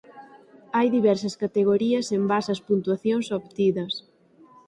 Hai diversas categorías en base ás puntuacións obtidas.